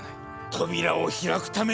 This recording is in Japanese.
扉を開くためには。